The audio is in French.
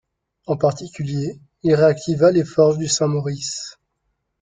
En particulier, il réactiva les forges du Saint-Maurice.